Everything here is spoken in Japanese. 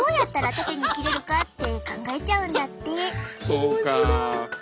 そうか。